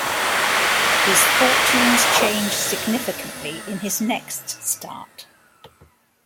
His fortunes changed significantly in his next start.